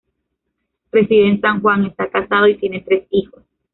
Reside en San Juan, está casado y tiene tres hijos.